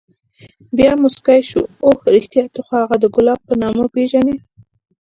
بيا موسكى سو اوه رښتيا ته خو هغه د ګلاب په نامه پېژنې.